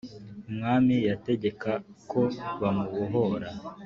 umwami yategeka ko bamubohora